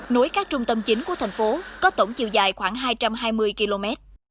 nối các trung tâm chính của thành phố có tổng chiều dài khoảng hai trăm hai mươi km